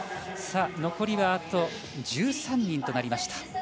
残りは１３人となりました。